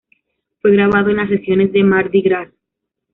Fue grabado en las sesiones de Mardi Gras.